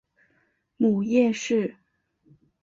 母叶氏。